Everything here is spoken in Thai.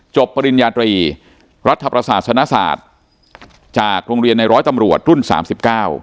ปริญญาตรีรัฐประศาสนศาสตร์จากโรงเรียนในร้อยตำรวจรุ่นสามสิบเก้า